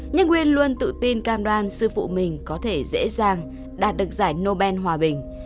nhưng nguyên luôn tự tin cam đoan sư phụ mình có thể dễ dàng đạt được giải nobel hòa bình